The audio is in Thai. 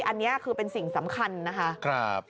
อันนี้คือเป็นสิ่งสำคัญนะคะ